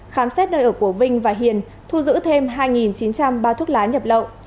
khám xét nơi ở của vinh và hiền thu giữ thêm hai chín trăm linh bao thuốc lá nhập lậu